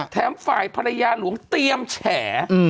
แถมฝ่ายภรรยาหลวงเตรียมแฉ